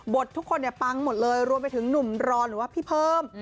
ทุกคนเนี่ยปังหมดเลยรวมไปถึงหนุ่มรอนหรือว่าพี่เพิ่ม